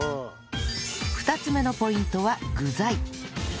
２つ目のポイントは具材